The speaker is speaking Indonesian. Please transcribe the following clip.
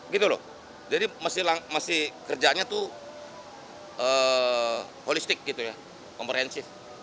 gitu loh jadi masih kerjanya tuh holistik gitu ya komprehensif